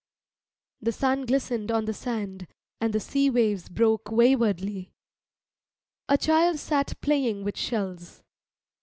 The sun glistened on the sand, and the sea waves broke waywardly. A child sat playing with shells.